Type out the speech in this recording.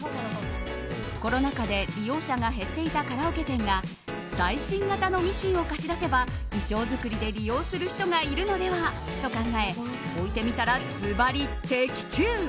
コロナ禍で利用者が減っていたカラオケ店が最新鋭のミシンを貸し出せば衣装作りで利用する人がいるのではと考え置いてみたらズバリ的中。